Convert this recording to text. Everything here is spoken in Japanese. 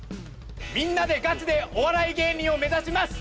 みんなでガチでお笑い芸人を目指します！